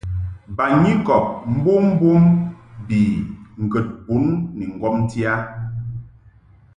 Banyikɔb mbommbom bi ŋgəd bun ni ŋgɔmti a.